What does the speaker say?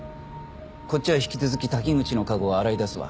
こっちは引き続き滝口の過去を洗い出すわ。